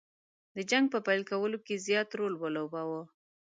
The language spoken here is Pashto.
د جنګ په پیل کولو کې زیات رول ولوباوه.